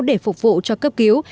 để phục vụ cho cấp cứu